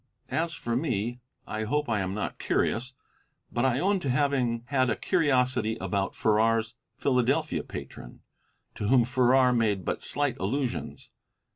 As for me, I hope I am not curious, but I own to having had a curiosity about Farrar's Philadelphia patron, to whom Farrar made but slight allusions.